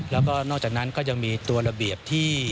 แล้วก็นอกจากนั้นก็ยังมีตัวระเบียบที่